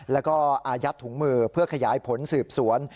แล้วก็อายัดถุงมือเพื่อขยายผลสืบสวน